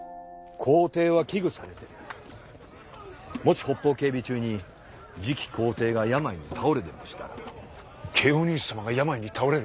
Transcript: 皇帝は危惧されているもし北方警備中に次期皇帝が病に倒れでもしたらケイオニウス様が病に倒れる？